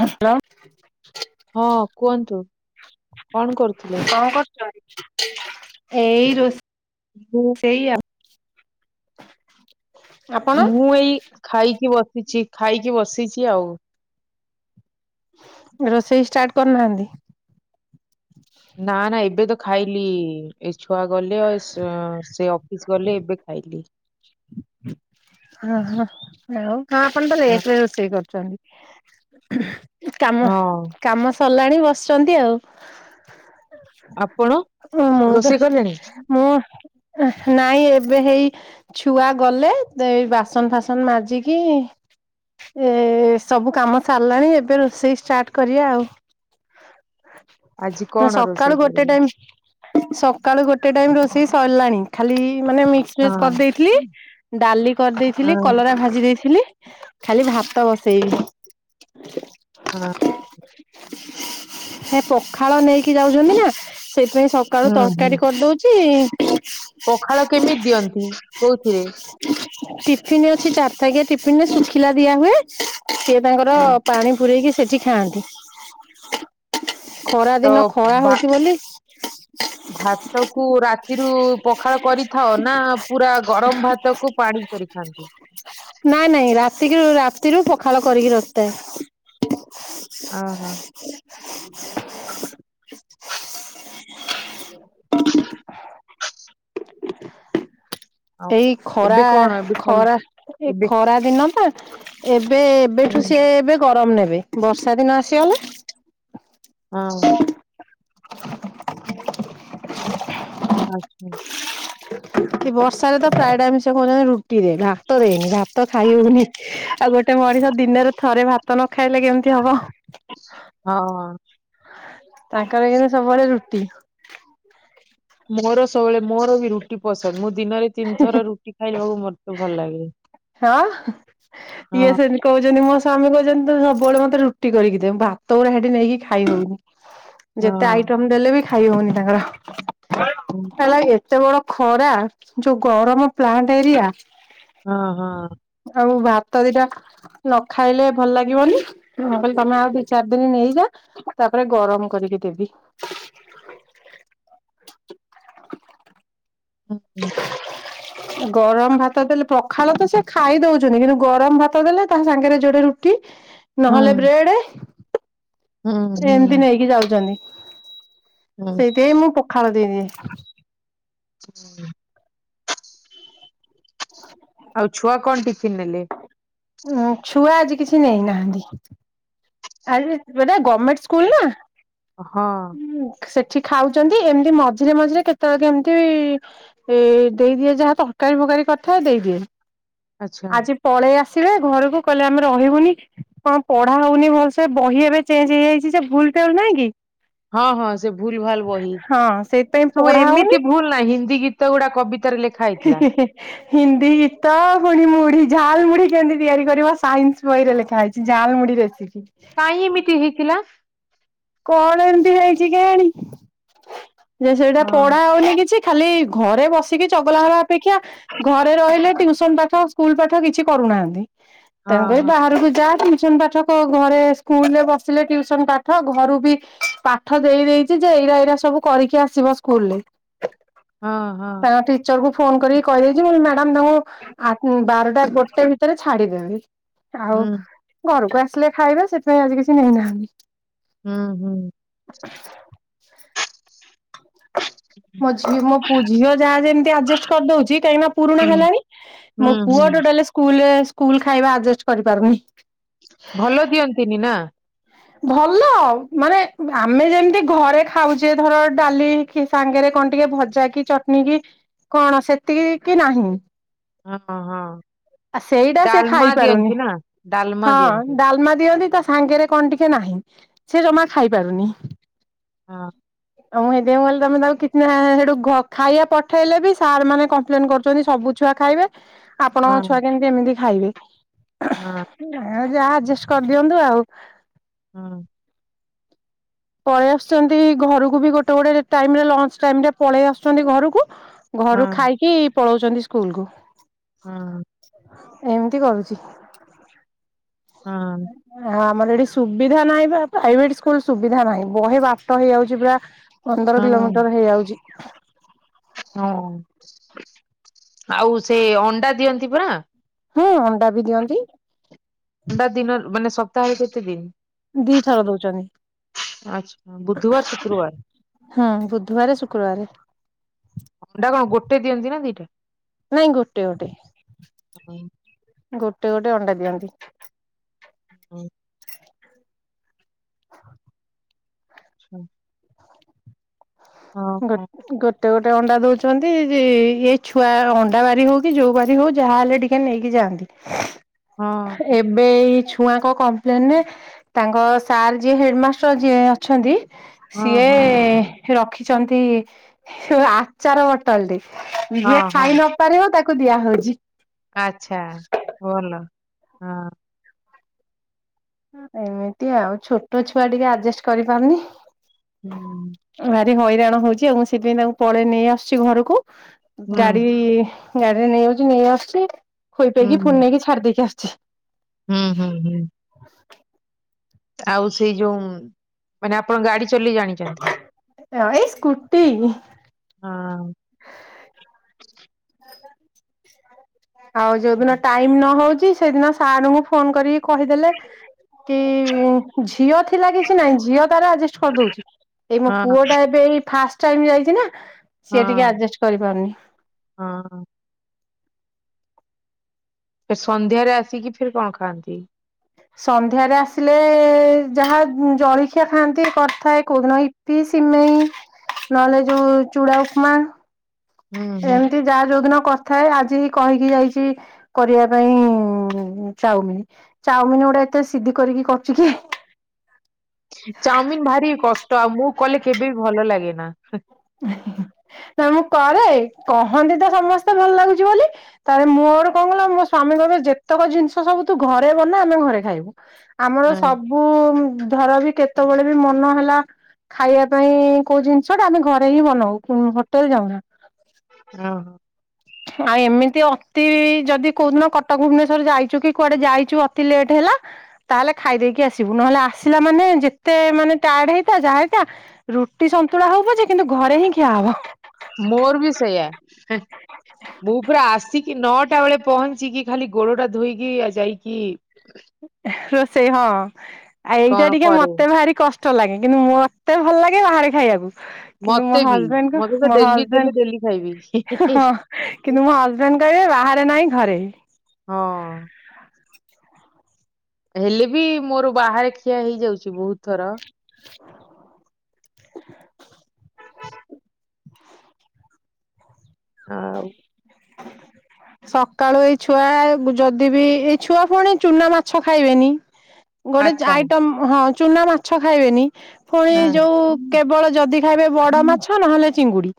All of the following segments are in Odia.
ହ୍ୟାଲୋ। ହଁ କୁହନ୍ତୁ କଣ କରୁଥିଲେ। କଣ କରୁଛ ଏଇ ରୋଷେଇ ହୁଁ। ସେୟା। ମୁଁ ଏଇ ଖାଇକି ବସିଛି ଖାଇକି ବସିଛି ଆଉ। ରୋଷେଇ ଷ୍ଟାର୍ଟ କରିନାହାନ୍ତି। ନା ନା ଏବେ ତ ଖାଇଲି। ଏ ଛୁଆ ଗଲେ ଆ ସେ ଅଫିସ ଗଲେ ଏବେ ଖାଇଲି। ଆଉ ଆପଣ ତା ହଁ ଲେଟ ରେ ରୋଷେଇ ସେ କରୁଛନ୍ତି କାମ। ହଁ କାମ ସରିଲାଣି ବସିଛନ୍ତି ଆଉ। ଆପଣ ଆପଣ ରୋଷେଇ କଲେଣି? ମୁଁ ନାଇଁ ଏବେ ହେଇ ଛୁଆ ଗଲେ ତ ଏଇ ବାସନ ଫାସନ ମାଜିକି ଏ ସବୁ କାମ ସାରଲାଣି ଏବେ ରୋଷେଇ ଷ୍ଟାର୍ଟ କରିଆ ଆଉ। ଆଜି ମେ କଣ ରୋଷେଇ ସକାଳୁ ଗୋଟେ କରିବ? ଟାଇମ ସକାଳୁ ଗୋଟେ ଟାଇମ ରୋଷେଇ ସରିଲାଣି ଖାଲି ମାନେ ମିକ୍ସ ବେଜେ ହଁ କରିଦେଇ ଥିଲ ଡାଲି କରିଦେଇଥିଲି ହଁ କଲରା ଭାଜି ଦେଇଥିଲି। ଖାଲି ଭାତ ବସେଇବି। ହଁ ସେ ପଖାଳ ନେଇକି ଯାଉଚନ୍ତି ନା ସେଥିପାଇଁ ସକାଳୁ ହୁଁ ହୁଁ ତରକାରୀ କରିଦେଉଚି ପଖାଳ କେମିତି ଦିଅନ୍ତି? କୋଉଥିରେ? ଟିଫିନ ଅଛି ଚାରିଥାକିଆ ଟିଫିନରେ ଶୁଖିଲା ଦିଆ ହୁଏ। ସିଏ ତାଙ୍କର ହଁ ପାଣି ପୂରେଇକି ସେଠି ଖାଆନ୍ତି। ଖରା ତ ଦିନ ଖରା ଭା ହୋଉଚି ବୋଲି ଭାତ କୁ ରାତ ରାତିରୁ ପଖାଳ କରିଥାଅ ନା ପୁରା ଗରମ ଭାତକୁ ପାଣି କରିଥାନ୍ତି? ନାଇଁ ନାଇଁ ରାତିକିରୁ ରାତିରୁ ପଖାଳ କରିକି ରଖିଥାଉ। ଓ ହୋ। [unintelligible] [unintelligible] ଆଉ ଏଇ ଖରା ଏବେ କଣ ଏବେ ଖାଲି ଖରା ଏଇ ଏବେ ଖରା ଦିନଟା ଏବେ ଏବେଠୁ ହୁଁ ସିଏ ଏବେ ଗରମ ନେବେ ବର୍ଷା ଦିନ ଆସିଗଲା। ହଁ ଭୋଉଣି। [unintelligible] ଆଛା। କି ବର୍ଷାରେ ତ ପ୍ରାୟ ଟାଇମ ସେକୋଉଚ ନ୍ତି ରୁଟି ଦେଏ ଭାତ ଦେଏନି ଭାତ ଭାତ ଖାଇ ହୋଉନି ଆଉ ଗୋଟେ ମଣିଷ ଦିନରେ ଥରେ ଭାତ ନ ଖାଇଲେ କେମିତି ହବ। ହଁ। ତାଙ୍କର କିନ୍ତୁ ସବୁବେଳେ ରୁଟି। ମୋର ସବୁବେଳେ ମୋର ବି ରୁଟି ପସନ୍ଦ ମୁଁ ଦିନରେ ତିନି ଥର ରୁଟି ଖାଇବାକୁ ମତେ ଭଲ ଲାଗେ। ହଁ ଇଏ ହଁ ସେମିତି କୋହୁଚନ୍ତି ମୋ ସ୍ୱାମୀ କୋହୁଚନ୍ତି ତମେ ସବୁବେଳେ ମତେ ରୁଟି କରିକି ଦେଏ ଭାତଗୁଡା ସେଠି ନେଇକି ଖାଇହୋଉନି। ହଁ ଯେତେ ଆଇଟମ ଦେଲେ ବି ଖାଇ ହୋଉନି ତାଙ୍କର। ହୁଁ। ହେଲାକି ଏତେ ବଡ ଖରା ଯୋଉ ଗରମ ପ୍ଲାଣ୍ଟ ଏରିଆ। ହଁ ହଁ। ଆଉ ଭାତ ଦିଇଟା ନ ଖାଇଲେ ଭଲ ଲାଗିବନି ମୁ କହିଲି ତମେ ଆଉ ଦିଇ ଚାରି ଦିନ ନେଇଯା। ତାପରେ ଗରମ କରିକି ଦେବି। ହୁଁ ହୁଁ। [unintelligible] ଗରମ ଭାତ ଦେଲେ ପଖାଳ ତ ସେ ଖାଇଦେଉଚନ୍ତି କିନ୍ତୁ ଗରମ ଭାତ ଦେଲେ ତା ସାଙ୍ଗରେ ଯୋଡେ ରୁଟି ହୁଁ ନହେଲେ ବ୍ରେଡ। ହୁଁ ହୁଁ ଏମିତି ନେଇକି ଯାଉଚନ୍ତି। ହୁଁ ହୁଁ। ଆଉ ଛୁଆ କଣ ଟିଫିନ୍ ନେଲେ? ଉଁ ଛୁଆ ଆଜି କିଛି ନେଇନାହାନ୍ତି। ଆରେ ଏଟା ଗମେଣ୍ଟ୍ ସ୍କୁଲ୍ ନା ହଁ। ଉଁ ସେଠି ଖାଉଛନ୍ତି ଏମିତି ମଝିରେ ମଝିରେ କେତେବେଳ କେମିତି ଉଁ ଦେଇଦିଏ ଯାହା ତରକାରୀ ଫକାରୀ କରିଥାଏ ଦେଇଦିଏ। ଆଚ୍ଛା ଆଜି ପଳେଇ ଆସିବେ ଘରକୁ କହିଲେ ଆମେ ରହିବୁନି କଣ ପଢା ହଉନି ଭଲ୍ ସେ ବହି ଏବେ ଚେଞ୍ଜ୍ ହେଇଯାଇଚି ସେ ଭୁଲ୍ ଟାଲ୍ ନାହିଁ କି। ହଁ ହଁ ସେ ଭୁଲ୍ ଭାଲ୍ ବହି ହଁ ସେଇଥିପାଇଁ ସବୁ ପଢା ହଉନି ଏମିତି ଭୁଲ ନାହିଁ ହିନ୍ଦୀ ଗୀ ସେଗୁଡା କବିତାରେ ଲେ ହି-ହି-ହି ହିନ୍ଦୀ ଗୀତ ପୁଣି ମୁଢି ଝାଲ୍ ମୁଢି କେମିତି ତିଆରି କରିବ ସାଇନ୍ସ ବହିରେ ଲେଖା ହେଇଛି ଝାଲ୍ମୁଢି ରେସିପି। କାଇଁ ଏମିତି ହେଇଥିଲା? କଣ ଏମିତି ହେଇଛି କେଇଆଣି ଯେ ସେଇଟା ହଁ ପଢା ହୋଉନି କିଛି। ଖାଲି ଘରେ ବସିକି ଚଗଲା ହବା ଅପେକ୍ଷା ଘରେ ରହିଲେ ଟିଉସନ୍ ପାଠ ସ୍କୁଲ ପାଠ କିଛି କରୁନାହାନ୍ତି ହଁ ତେଣୁକରି ହଁ ବାହାରକୁ ଯା ଟିଉସନ ପାଠ ସବୁ ଘରେ ସ୍କୁଲ ରେ ବସିଲେ ଟିୟୁସନ ପାଠ ଘରୁ ବି ପାଠ ଦେଇ ଦେଇଚି ଯେ, ଏଇରା ଏଇରା ସବୁ କରିକି ଆସିବ ସ୍କୁଲରେ। ହଁ ହଁ ତାଙ୍କଠି ଟିଚର କୁ ଫୋନ କରିକି କହିଦେଇଚି, ମୁଁ କହିଲି ମ୍ୟାଡାମ ତାଙ୍କୁ, ବାରଟା ଗୋଟେ ଭିତରେ ଛାଡିଦେବେନି। ଆଉ ହୁଁ ଘରକୁ ଆସିଲେ ଖାଇବେ, ସେଥିପାଇଁ ଆଜି କିଛି ନେଇନାହାନ୍ତି। ହୁଁ ହୁଁ ମୋ ଝିଅ ମୋ ପୁ ମୋ ଝିଅ ଯାହା ଯେମତି ଆଡଜଷ୍ଟ କରିଦଉଛି କାହିଁକି ନା ପୁରୁଣା ହୁଁ ହେଲାଣି। ହୁଁ ମୋ ପୁଅ ହୁଁ ଟୋଟାଲି ସ୍କୁ ସ୍କୁଲ ଖାଇବା ଆଡଜଷ୍ଟ କରିପାରୁନି। ଭଲ ଦିଅନ୍ତିନି ନା? ଭଲ ଆଉ ମାନେ ଆମେ ଯେମିତି ଘରେ ଖାଉଛେ ଧର ଡାଲି ସାଙ୍ଗରେ କଣ ଟିକେ ଭଜା କି ଚଟଣୀ କି କଣ ସେତିକି କି ନାହିଁ। ହଁ ହଁ ଆ ସେଇଟା ସେ ଡାଲମା ଖାଇପାରୁନି ଦିଅନ୍ତି ନା ଡାଲମା ହଁ ଦିଅନ୍ତି ଡାଲମା ଦିଅନ୍ତି ତା ସାଙ୍ଗରେ କଣ ଟିକେ ନାହିଁ ସେ ଜମା ଖାଇପାରୁନି। ହଁ [inaudible] ଆଉଁ ସେଥିପାଇଁ କହଲି ତମେ ତାକୁ କିଛି ସେଠୁ ଖାଇବା ପଠେଇଲେ ବି ସାର୍ ମାନେ କମ୍ପ୍ଲେନ କରୁଛନ୍ତି ସବୁ ଛୁଆ ଖାଇବେ ହଁ ଆପଣଙ୍କ ଛୁଆ କେମିତି ଏମିତି ଖାଇବେ। ହଁ ଯାହା ଆଡଜଷ୍ଟ କରିଦିଅନ୍ତୁ ଆଉ। ହଁ ପଳେଇ ଆସୁଛନ୍ତି ଘରକୁ ବି ଗୋଟେ ଗୋଟେ ଟାଇମରେ ଲଞ୍ଚ ଟାଇମ ରେ ପଳେଇ ଆସୁଛନ୍ତି ଘରକୁ। ଘରୁ ହଁ ଖାଇକି ପଳଉଛନ୍ତି ସ୍କୁଲ କୁ। ହଁ ଏମିତି କରୁଛି। ହଁ ଆମର ଏଠି ସୁବିଧା ନାହିଁ ବା ପ୍ରାଇଭେଟ ସ୍କୁଲ ସୁବିଧା ନାହିଁ ବହେ ବାଟ ହେଇଯାଉଛି ପା। ପନ୍ଦର ହଁ କିଲୋମିଟର ହେଇଯାଉଛି। ହଁ ଆଉ ସେ ଅଣ୍ଡା ଦିଅନ୍ତି ପରା। ହୁଁ ଅଣ୍ଡା ବି ଦିଅନ୍ତି। ଣ୍ଡା ଦିନରୁ ମାନେ ସପ୍ତାହରେ କେତେ ଦିନି? ଦିଥର ଦଉଚନ୍ତି। ଆଚ୍ଛା ବୁଧବାର ଶୁକ୍ରବାର ହୁଁ, ବୁଧୁବାରେ ଶୁକ୍ରବାରେ। ଅଣ୍ଡା କଣ ଗୋଟେ ଦିଅନ୍ତିନା ଦିଟା? ନାଇଁ ଗୋଟେ ଗୋଟେ ଆଚ୍ଛା ଗୋଟେ ଗୋଟେ ଅଣ୍ଡା ଦିଅନ୍ତି। ହଁ। [inaudible] ଆଚ୍ଛା। ଗ ଗ ହଁ ଗୋଟେ ଗୋଟେ ଅଣ୍ଡା ଦଉଚନ୍ତି ଯି ଛୁଆ ଅଣ୍ଡା ବାରି ହଉକି ଯୋଉ ବାରି ହଉ ଯାହା ହେଲେ ଟିକେ ନେଇକି ଯାଆନ୍ତି। ହଁ ହଁ ଏବେ ଏଇ ଛୁଆଙ୍କ କମ୍ପ୍ଲେନରେ ତାଙ୍କ ସାର୍ ଯିଏ ହେଡମାଷ୍ଟର ଯିଏ ଅଛନ୍ତି ସିଏ ହଁ ରଖି ଚନ୍ତି ଆଚାର ବୋଟଲଟେ ଯିଏ ହଁ ହଁ ଖାଇନ ପାରିବ ତାକୁ ଦିଆହଉଛି। ଆଚ୍ଛା ଭଲ ହଁ। ଏମିତି ଆଉ ଛୋଟ ଛୁଆ ଟିକେ ଆଡ଼ଜଷ୍ଟ କରିପାରୁନି। ହୁଁ। ଭାରି ହଇରାଣ ହଉଛି ଆଉ ମୁସେଥିପାଇଁ ତାଙ୍କୁ ପଳେ ନେଇ ଆସୁଛି ଘରକୁ ହୁଁ ଗାଡ଼ି ଗାଡ଼ିରେ ନେଇଯାଉଛି ନେଇ ଆସୁଛି ହୁଁ ଖୋଇପେଇକି ଫୁଣି ନେଇକି ଛାଡ଼ି ଦେଇକି ଆସୁଛି। ହୁଁ ହୁଁ ହୁଁ। ଆଉ ସେଇ ଯୋଉ ମାନେ ଆପଣ ଗାଡ଼ି ଚଲେଇ ଜାଣିଚନ୍ତି? ହଁ ଏଇ ସ୍କୁଟି। ହଁ। ଆଉ ଯୋଉଦିନ ଟାଇମନ ହଉଚି ସେଦିନ ସାରଙ୍କୁ ଫୋନ୍ କରିକି କହିଦେଲେ କି ଝିଅ ଥିଲା କିଛି ନାଇଁ ଝିଅ ତାରା ଅଜେଷ୍ ଛଦଉଚି ଏଇ ମୋ ହଁ ପୁଅଟା ଏବେଏଇ ଫାଷ୍ଟ ଟାଇମ୍ ଯାଇଚିନା ସିଏ ଟିକେ ଆଡ଼ଜେଷ୍ଟ କରିପାରୁନି। ହଁ ହଁ। ଫେର୍ ସନ୍ଧ୍ୟାରେ ଆସିକି ଫେର୍ କଣ ଖାଆନ୍ତି? ସନ୍ଧ୍ୟାରେ ଆସିଲେ ଯାହା ଜଳଖିଆ ଖାଆନ୍ତି କରିଥାଏ କୋଉଦିନ ଇ ଇପି ସିମେଇ ନହେଲେ ଯୋଉ ଚୁଡ଼ା ଉପମା। ହୁଁ ହୁଁ। ଏମିତି ଯାହା ଯୋଉଦିନ କରିଥାଏ ଆଜି ହେ କହିକି ଯାଇଚି କରିବା ପାଇଁ ଚାଉମିିନ୍। ଚାଉମିନ୍ ଗୁଡ଼େ ଏତେ ସିଧି କରିକି କରୁଚି କିଏ। ଚାଉମିିନ ଭାରି କଷ୍ଟ ଆଉ ମୁଁ କଲେ କେବେବି ଭଲ ଲାଗେନା। ନା ମୁଁ କରେ କହନ୍ତିତ ସମସ୍ତେ ଭଲ ଲାଗୁଚି ବୋଲି ତାପରେ ମୋର କଣ କହିଲ ମୋ ସ୍ଵାମୀ କହିବେ ଯେତକ ଜିନିଷ ସବୁ ତୁଘରେ ବନା ଆମେ ଘରେ ଖାଇବୁ। ଆମର ହଁ ସବୁ ବୁ ଧରବି କେତେବେଳେବି ମନ ହେଲା ଖାଇବା ପାଇଁ କୋଉ ଜିନିଷଟା ଆମେ ଘ ହିଁ ବନଉ ହୋଟେଲ୍ ଯାଉନା। ଓହୋ। ଆଁ ଏମିତି ଅତି ଯଦି କୋଉଦିନ କଟକ ଭୁବନେଶ୍ଵର ଯାଇଚୁକି କୁଆଡ଼େ ଯାଇଚୁ ଅତି ଲେଟ୍ ହେଲା ତାହେଲେ ଖାଇଦେଇକି ଆସିବୁ ନହେଲେ ଆସିଲା ମାନେ ଯେତେ ମାନେ ଟାୟାର୍ଡ ହେଇଥା ଯାହା ହେଇଥା ରୁଟି ସନ୍ତୁଳା ହଉ ପଛେ କିନ୍ତୁ ଘରେହିଁ ଖିଆହବ। ମୋରବି ସେଇୟା ହେ ମୁଁ ପୁରା ଆସି କି ନଅଟା ବେଳେ ପହଞ୍ଚିକି ଖାଲି ଗୋଡ ଟା ଧୋଇକି ଆଉ ଯାଇକି ରୋଷେଇ ହଁ ଆଏ ଏଇଟା କଣ ଟିକେ କରେ ମତେ ଭାରି କଷ୍ଟ ଚଲାଗେ କିନ୍ତୁ ମୋତେ ଭଲ ଲାଗେ ବାହାରେ ଖାଇବାକୁ। କିନ୍ତୁ ମୋ ମତେ ବି ମତେ ତ ହଜବେଣ୍ଡଙ୍କୁ ମୋ ଡେଲି ଦେଲେ ଡେଲି ଖାଇବି। ହଜବେଣ୍ଡ ହଁ। କିନ୍ତୁ ମୋ ହଜବେଣ୍ଡ କହିବେ ବାହାରେ ନାହିଁ ଘରେ। ହଁ। ହ। ହେଲେ ବି ମୋର ବାହାରେ ଖିଆ ହେଇଯାଉଛି ବହୁତ ଥର। [inaudible] ଆଉ [inaudible] ସକାଳୁ ଏଇ ଛୁଆ ଯଦି ବିି ଏଇ ଛୁଆ ପୁଣି ଚୁନା ମାଛ ଖାଇବେନି। ଗୋଟେ ଆଇଟମ ହଁ ଚୁନା ମାଛ ଖାଇବେନି। ପୁଣି ଯୋଉ କେବଳ ଯଦି ଖାଇବେ ବଡ ମାଛ ନହେଲେ ଚିଙ୍ଗୁଡି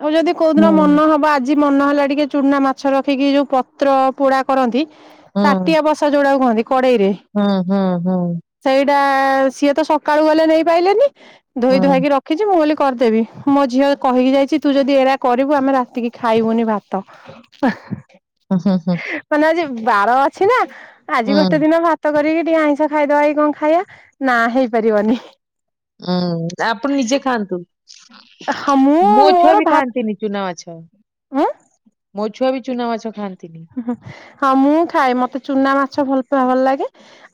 ଆଉ ଯଦି କୋ ମନ ହବ ଆଜି ମନ ହେଲା ଟିକେ ଚୁନା ମାଛ ରଖିକି ଯୋଉ ପତ୍ର ପୋଡା କରନ୍ତି ତାଟିଆ ବସା ଯୋଉଟାକୁ କହନ୍ତି କଡେଇ ରେ। ହୁଁ ହୁଁ ହୁଁ। ସେଇଟା ସିଏ ତ ସକାଳୁ ଗଲେ ନେଇପାଇଲେନି ଧୋଇ ଧୁଆ କି ରଖ କିଛି ମୁଁ ବୋଲି କରିଦେବି ମୋ ଝିଅ କହିକି ଯାଇଛି ତୁ ଯଦି ଏରା କରି ଇବୁ ଆମେ ରାତିକି ଖାଇବୁନି ଭାତ। ହୁଁ ହୁଁ ହୁଁ। ମାନେ ଆଜି ବାର ଅଛି ନା ଆଜି ଗୋଟେ ଦିନ ଭାତ ତ କରିକି ଟିକେ ଆଇଁଷ ଖାଇଦବା କି କଣ ଖାଇବା ନା ହେଇପାରିବନି। ହୁଁ ଆପଣ ନିଜେ ଖାଆନ୍ତୁ। ହଁ ମୁଁ ମୋ ଛୁଆ ବି ଖାଆନ୍ତି ନି। ଚୁନା ମାଛ। ଆଁ। ମୋ ଛୁଆ ବି ଚୁନା ମାଛ ଖାଆନ୍ତିନି। ଉଁହୁଁ ହଁ ମୁଁ ଖାଏ ମତେ ଚୁନା ମାଛ ଭଲ ପା ଭଲ ଲାଗେ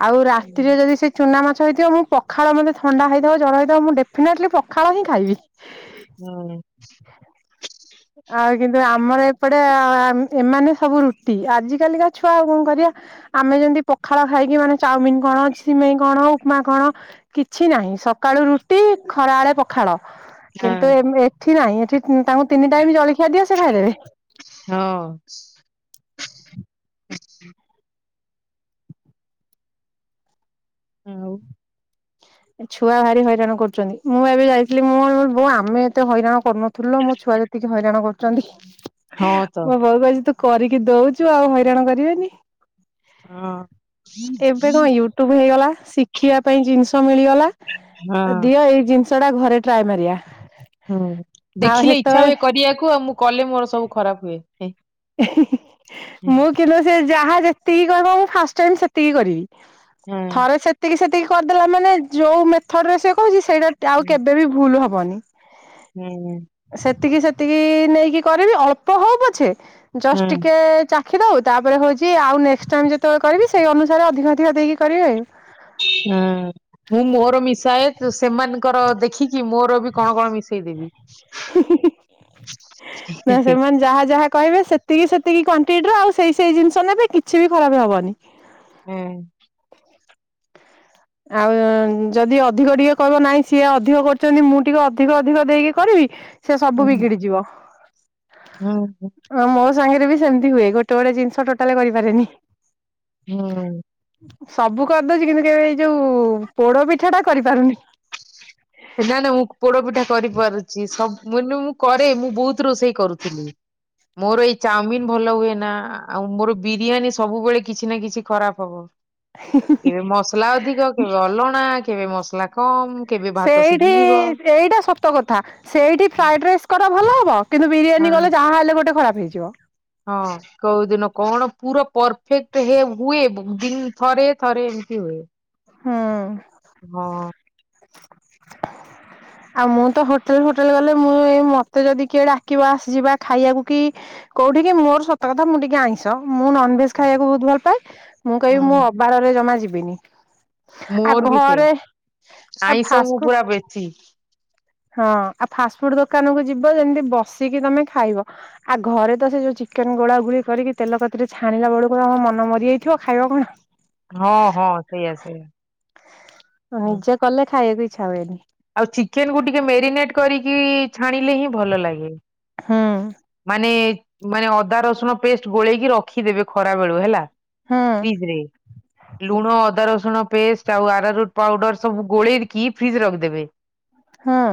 ଆଉ ହୁଁ। ରାତିରେ ଯଦି ସେ ଚୁନା ମାଛ ହେଇଥିବ ମୁଁ ପଖାଳ ମୋତେ ଥଣ୍ଡା ହେଇଥାଉ ଜର ହେଇଥାଉ ମୁଁ ଡେଫିନେଟଲି ପଖାଳ ହିଁ ଖାଇବି। ହୁଁ ଉଁ। ଆଉ କିନ୍ତୁ ଆମର ଏପଟେ ଆ ଏମାନେ ସବୁ ରୁଟି ଆଜିିକାଲିକା ଛୁଆ ଆଉ କଁ କରିଆ। ଆମେ ଯେମିତି ପଖାଳ ଖାଇକି ମାନେ ଚାଉମିନ କଣ ସିମେଇ କଣ ଉପମା କଣ କିଛି ନାହିଁ ସକାଳୁ ରୁଟି ଖରାବେଳେ ପ ଖାଳ କିନ୍ତୁ ଏମ ଏଠି ନାଇଁ ଏଠି ଇଁ ତାଙ୍କୁ ତିନି ଟାଇମି ଜଳିଖିଆ ଦିଅ ସେ ଖାଇଦେବେ। ହଁଅଁ ଆଉ ଛୁଆ ଭାରି ହଇରାଣ କରୁଚନ୍ତି ମୁଁ ଏବେ ଯାଇଥିଲି ମୁଁ ମୋର ବୋଉ ଆମେ ଏତେ ହଇରାଣ କରୁନଥିଲୁ ଲୋ ମୋ ଛୁଆ ଯେ ତିକି ହଇରାଣ କରୁଚନ୍ତି। ହଁ ତ, ମୋ ବୋଉ କଉଚି ତୁ କରିକି ଦଉଚୁ ଆଉ ହଇରାଣ କରିବେନି। ହଁ। ଏବେ କଁ ୟୁଟ୍ୟୁବ ହେଇଗଲା ଶିଖିବା ପାଇଁ ଜିନିଷ ମିଳିଗଲା ହଁ, ଦିଅ ଏଇ ଜିନିଷ ଟା ଘରେ ଟ୍ରାଏ ମାରିଆ। ହୁଁ ଦେଖିଲେ ଇଚ୍ଛା ହୁଏ କରିଆକୁ ଆଉ ମୁଁ କଲେ ମୋର ସବୁ ଖରାପ ହୁଏ ହିଁ ହିଁ ମୁଁ କିନ୍ତୁ ସେ ଯାହା ଯେତିକି କହିବ ମୁଁ ଫାଷ୍ଟ ଟାଇମ୍ ସେତିକି କରିବି। ଥରେ ସେତିକି ସେତିକି କରିଦେଲା ମାନେ ଯୋଉ ମେ ଥରରେ ସେ କହୁଚି ସେଇଟା ଟ୍ରଆଉ କେବେ ବିି ଭୁଲ ହବନି। ହୁଁଉଁ ସେତିକି ସେତିକି ନେଇକି କରିବି ଅଳ୍ପ ହଉ ପଛେ ଜଷ୍ଟ ହଁ। ଟିକେ ଚା ଖି ଦଉ ତାପରେ ହଉଚି ଆଉ ନେକ୍ସଟ ଟାଇମ ଯେତେବେଳେ କରିବି ସେଇ ଅନୁସାରେ ଅଧିକ ଅଧିକ ଦେଇକି କରିବେ। ହୁଁ ଉଁ ମୁଁ ମୋର ମିଶାଏ ତ୍ ସେମାନଙ୍କର ଦେଖିକି ମୋର ବି କଣ କଣ ମିଶେଇ ଦେବି। ହିଁ ହିଁ ହିଁ ନା ସେମାନେ ଯାହା ଯାହା କହିବେ ସେତିକି ସେତିକି କ୍ୱାଣ୍ଟିଟର ଆଉ ସେଇ ସେଇ ଜିନିଷ ନେବେ କିଛି ବି ଖରାପେ ହବନି। ହୁଁଉଁ ଆଉଁ ଉଁ ଯଦି ଅଧିକ ଟିକେ କହିବ ନାହିଁ ସିଏ ଅଧିକ କରୁଚନ୍ତି ମୁଁ ଟିକେ ଅଧିକ ଅଧିକ ଦେଇକି କରିବି ସେ ସବୁ ବିଗିଡି ଯିବ। ହଁ ହଁ ହଁ ମୋ ସାଙ୍ଗେରେ ବି ସେମିତି ହୁଏ ଗୋଟେ ଗୋଟେ ଜିନିଷ ଟୋଟାଲ କରିପାରେନି। ହୁଁଉଁ ସବୁ କରିଦଉଚି କିନ୍ତୁ କେବେ ଏଇ ଯୋଉ ପୋଡ ପିଠା ଟା କରିପାରୁନି। ନା ନା ମୁଁ ପୋଡ ପିଠା କରିପାରୁଚି ସବୁ ନୁ ମୁଁ କରେ ମୁଁ ବୋହୁତ୍ ରୋଷେଇ କରୁଥିଲି। ମୋର ଏଇ ଚାଉମିିନ ଭଲ ହୁଏ ନା ଆଉ ମୋର ବିରିୟାନୀ ସବୁବେଳେ କିଛି ନା କିଛି ଖରାପ ହବ। ହଁ ହିଁ ହିଁ ହିଁ କେ ମସଲା ଅଧିକ କେବେ ଅଲଣା କେବେ ମସଲା କମ କେବେ ଭା ଏଇଠି ସେଇଟା ସତ କଥା। ସେଇଠି ଫ୍ରାଏଡ଼ ରାଇସ୍ କର ଭଲ ହବ କିନ୍ତୁ ବିରିୟାନୀ କଲେ ଯାହା ହେଲେ ଗୋଟେ ଖରାପ୍ ହେଇଯିବ। ହଁଅଁ କଉଦିନ କଣ ପୁର ପରଫେକ୍ଟ ହେ ହୁଏ ବ ଦି ଥରେ ଥରେ ଏମିତି ହୁଏ। ହଁ ହଁଅଁ [inaudible] ଆଉ ମୁଁ ତ ହୋଟେଲ ଫୋଟେଲ ଗଲେ ମୁଁ ଏଇ ମତେ ଯଦି କିଏ ଡାକିବ ଆସଯିବା ଖାଇଆକୁ କି କୋଉଠିିକି ମୋର ସତ କଥା ମୁଁ ଟିକେ ଆଇଁସ ମୁଁ ନନ୍ ଭେଜ୍ ଖାଇଆକୁ ବହୁତ ଭଲ ପାଏ ମୁଁ କଇବି ମୁଁ ହୁଁ ଅବାରରେ ଜମା ଯିବିନି। ଆ ମୋର ବି ସେଇ ଘରେ ଏ ଆଇଁଷ ମୁଁ ଫାଷ୍ଟଫୁଡ୍ ପୁରା ବେଶୀ ହଁ ଆଉ ଫାଷ୍ଟ୍ ଫୁଡ ଦୋକାନକୁୁ ଯିବ ଯେମିତି ବସିକି ତମେ ଖାଇବ। ଆଉ ଘରେ ତ ସେ ଯୋଉ ଚିକେନ୍ ଗୋଳା ଗୋଳି କରିକି ତେଲ କତିରେ ଛାଣିଲା ବେଳକୁ ତ ଆମ ମନ ମରିଯାଇଥିବ। ଆଉ ଖାଇବ କଣ? ହ [inaudible] ହଁ ହଁ ସେଇଆ ସେଇଆ। ହୁଁ ନିଜେ କଲେ ଖାଇବାକୁ ଇଚ୍ଛା ହୁଏନି। ଆଉ ଚିକେନ୍ କୁ ଟିକେ ମେରିନେଟ୍ କରିକି ଛାଣିଲେ ହିଁ ଭଲ ଲାଗେ। ହଁ। ମାନେ ମାନେ ଅଦା ରସୁଣ ପେଷ୍ଟ ଗୋଳେଇକି ରଖିଦେବେ ଖରା ବେଳୁ ହେଲା। ହୁଁ ଫ୍ରିଜ୍ ରେ। ଲୁଣ ଅଦା ରସୁଣ ପେଷ୍ଟ ଆଉ ଆରା ରୁଟ୍ ପାଉଡର ସବୁ ଗୋଳେଇକି ଫ୍ରିଜ୍ ରେ ରଖିଦେବେ। ହଁ।